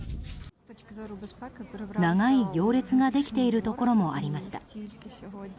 長い行列ができているところもありました。